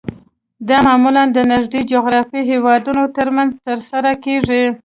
دا معمولاً د نږدې جغرافیایي هیوادونو ترمنځ ترسره کیږي